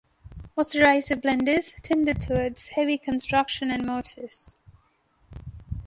Osterizer blenders tended towards heavy construction and motors.